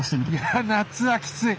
いや夏はきつい！